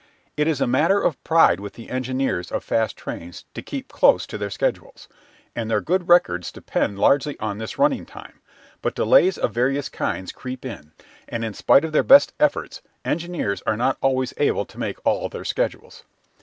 It is a matter of pride with the engineers of fast trains to keep close to their schedules, and their good records depend largely on this running time, but delays of various kinds creep in, and in spite of their best efforts engineers are not always able to make all their schedules.